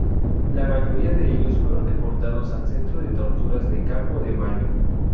La mayoría de ellos fueron deportados al centro de torturas de Campo de Mayo.